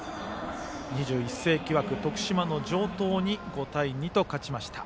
２１世紀枠、徳島の城東に５対２と勝ちました。